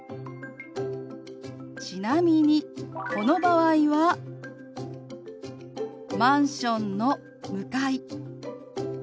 ちなみにこの場合は「マンションの向かい」。